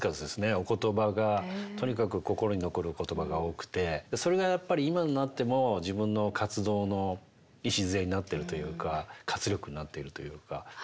お言葉がとにかく心に残るお言葉が多くてそれがやっぱり今になっても自分の活動の礎になってるというか活力になってるというか。